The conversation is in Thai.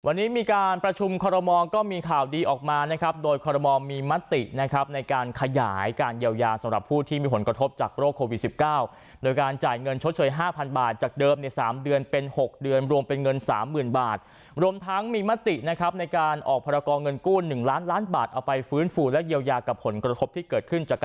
วันนี้มีการประชุมคอรมองก็มีข่าวดีออกมานะครับโดยคอรมองมีมัตตินะครับในการขยายการเยียวยาสำหรับผู้ที่มีผลกระทบจากโรคโควิดสิบเก้าโดยการจ่ายเงินชดเฉยห้าพันบาทจากเดิมในสามเดือนเป็นหกเดือนรวมเป็นเงินสามหมื่นบาทรวมทั้งมีมัตตินะครับในการออกภารกองเงินกู้นหนึ่งล้านล้านบาทเอาไปฟื้